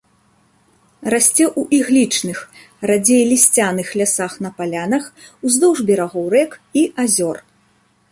Расце ў іглічных, радзей лісцяных лясах на палянах, уздоўж берагоў рэк і азёр.